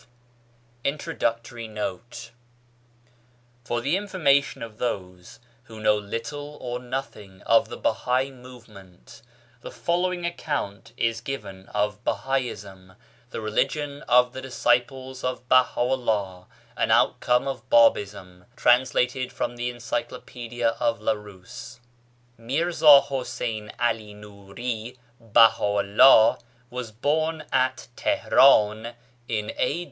167 INTRODUCTORY NOTE FOR the information of those who know little or nothing of the Bahai Movement, the following account is given of Bahaism : the religion of the disciples of Baha'ti'llah, an outcome of Babism, translated from the Encyclopaedia of Larousse : Mirza Husain 'Ali Nuri Baha'u'llah was born at Tihran in A.